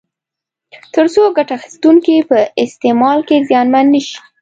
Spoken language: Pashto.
تر څو ګټه اخیستونکي په استعمال کې زیانمن نه شي.